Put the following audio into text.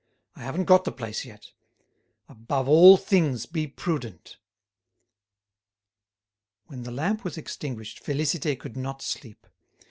I haven't got the place yet. Above all things, be prudent." When the lamp was extinguished, Félicité could not sleep.